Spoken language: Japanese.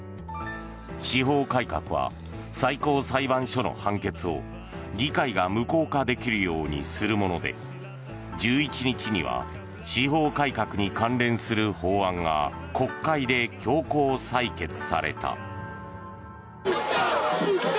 司法改革は最高裁判所の判決を議会が無効化できるようにするもので今月１１日には司法改革に関連する法案が国会で強行採決された。